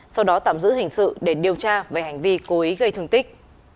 sau đó tạm giữ hình sự để điều tra về hành vi cố ý gây thương tích